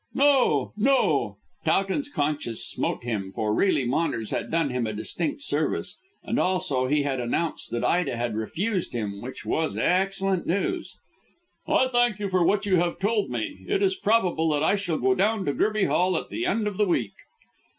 "No! no!" Towton's conscience smote him, for really Maunders had done him a distinct service, and also he had announced that Ida had refused him, which was excellent news. "I thank you for what you have told me. It is probable that I shall go down to Gerby Hall at the end of the week."